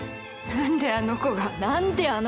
何であの子が！